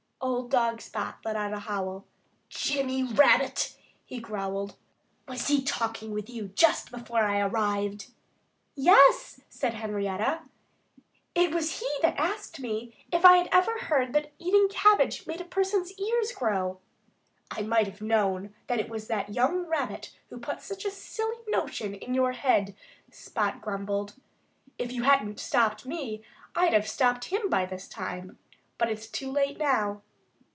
Old dog Spot let out a howl. "Jimmy Rabbit!" he growled. "Was he talking with you just before I arrived?" "Yes!" said Henrietta. "It was he that asked me if I had ever heard that eating cabbage made a person's ears grow." "I might have known that it was that young Rabbit who put such a silly notion into your head," Spot grumbled. "If you hadn't stopped me I'd have stopped him by this time.... But it's too late now."